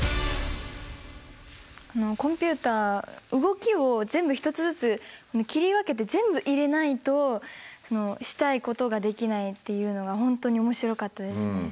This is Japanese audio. あのコンピュータ動きを全部ひとつずつ切り分けて全部入れないとしたいことができないっていうのが本当に面白かったですね。